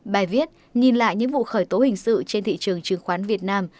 bài viết nhìn lại những vụ khởi tố hình sự trên thị trường chứng khoán việt nam